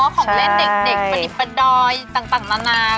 ของเล่นเด็กปนิปดอยต่างนานา